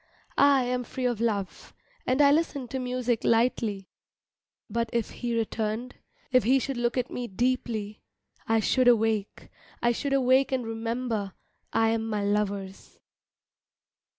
I am free of love, and I listen to music lightly, But if he returned, if he should look at me deeply, I should awake, I should awake and remember I am my lover's.